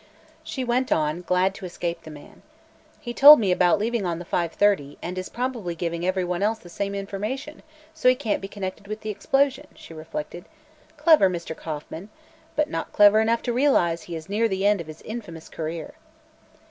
She went on, glad to escape the man. "He told me about leaving on the 5:30, and is probably giving everyone else the same information, so he can't be connected with the explosion," she reflected. "Clever Mr. Kauffman! But not clever enough to realize he is near the end of his infamous career."